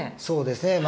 そうですね。